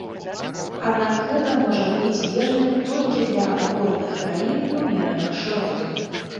Аднак гэта можа быць верным толькі для горных краін умераных шырот.